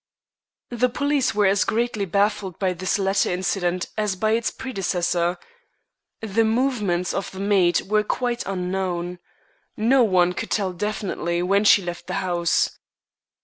The police were as greatly baffled by this latter incident as by its predecessor. The movements of the maid were quite unknown. No one could tell definitely when she left the house.